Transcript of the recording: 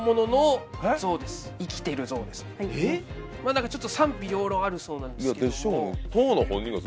まあ何かちょっと賛否両論あるそうなんですけども。